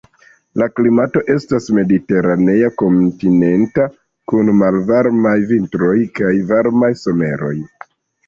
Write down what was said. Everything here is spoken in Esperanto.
La klimato estas mediteranea kontinenta, kun malvarmaj vintroj kaj varmaj someroj.